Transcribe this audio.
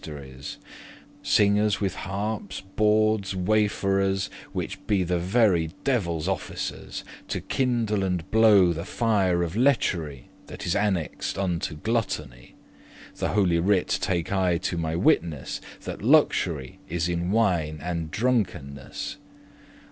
*dainty fruit girls Singers with harpes, baudes,* waferers, *revellers cake sellers Which be the very devil's officers, To kindle and blow the fire of lechery, That is annexed unto gluttony. The Holy Writ take I to my witness, That luxury is in wine and drunkenness.